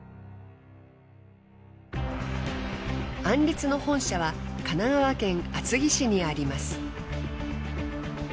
アンリツの本社は神奈川県厚木市にあります。